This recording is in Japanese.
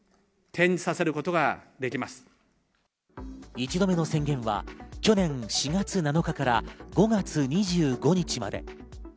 １度目の宣言は去年４月７日から５月２５日まで。